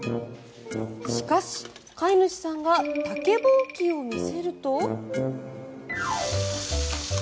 しかし、飼い主さんが竹ぼうきを見せると。